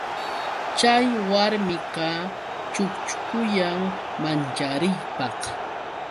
Chay warmiqa chukchukuyan manchariypaq.